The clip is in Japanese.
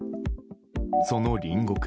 その隣国